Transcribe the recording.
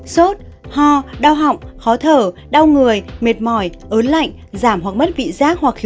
sốt ho đau họng khó thở đau người mệt mỏi ớn lạnh giảm hoặc mất vị giác hoặc khí